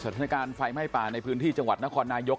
ตามกันต่อนะครับ